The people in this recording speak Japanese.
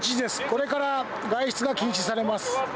これから外出が禁止されます。